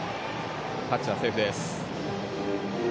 タッチはセーフです。